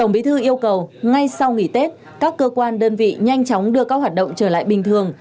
bí thư yêu cầu ngay sau nghỉ tết các cơ quan đơn vị nhanh chóng đưa các hoạt động trở lại bình thường